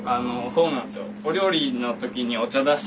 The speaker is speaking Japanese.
そうなんですよ。